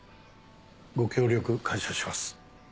ご協力感謝します。